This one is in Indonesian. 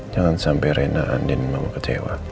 jangan sampai rena andin memang kecewa